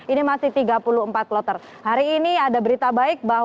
ini masih tiga puluh empat kloter yang ada di embarkasi surabaya ini yang terselesaikan untuk kemarin